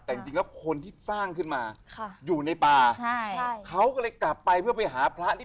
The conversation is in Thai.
พี่น้องเนี่ยเขาอยากเจอต้นตำรับเขาปลูกเข้าไปในป่า